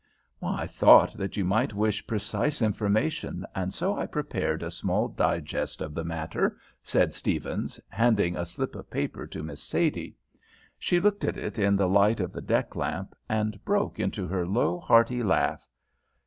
"I thought that you might wish precise information, and so I prepared a small digest of the matter," said Stephens, handing a slip of paper to Miss Sadie. She looked at it in the light of the deck lamp, and broke into her low, hearty laugh.